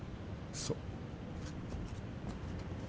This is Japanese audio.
そう。